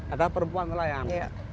ada perempuan nelayan